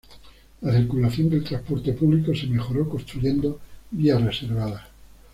La circulación del transporte público se mejoró construyendo vías reservadas.